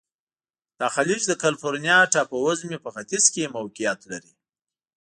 دا خلیج د کلفورنیا ټاپو وزمي په ختیځ کې موقعیت لري.